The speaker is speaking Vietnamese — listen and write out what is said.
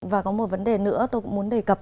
và có một vấn đề nữa tôi cũng muốn đề cập